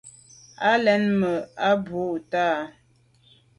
Lèn mèn o bwô tà’.